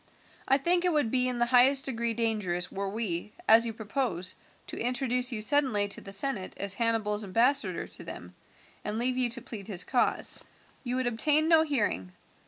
I think it would be in the highest degree dangerous were we, as you propose, to introduce you suddenly to the senate as Hannibal's ambassador to them, and leave you to plead his cause. You would obtain no hearing.